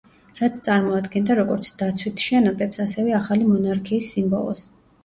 რაც წარმოადგენდა როგორც დაცვით შენობებს, ასევე ახალი მონარქიის სიმბოლოს.